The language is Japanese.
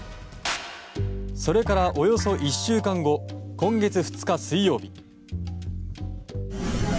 それからおよそ１週間後今月２日、水曜日。